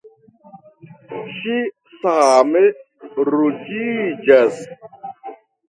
Ŝi same ruĝiĝas.